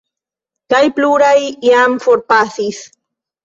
Kaj pluraj jam forpasis.